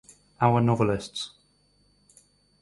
Our novelists.